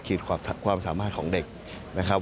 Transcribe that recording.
ความสามารถของเด็กนะครับ